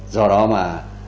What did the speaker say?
do đó mà